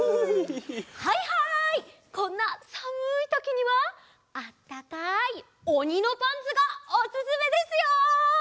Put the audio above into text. はいはいこんなさむいときにはあったかいおにのパンツがおすすめですよ。